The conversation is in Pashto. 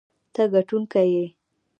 ته ګټونکی یې.